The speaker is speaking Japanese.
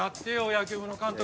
野球部の監督